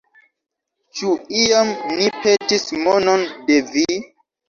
Ĉu iam ni petis monon de vi?